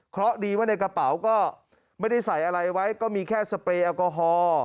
เพราะดีว่าในกระเป๋าก็ไม่ได้ใส่อะไรไว้ก็มีแค่สเปรย์แอลกอฮอล์